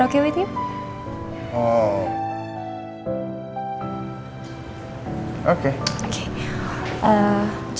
apakah itu baik denganmu